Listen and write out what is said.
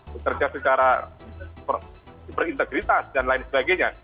bekerja secara berintegritas dan lain sebagainya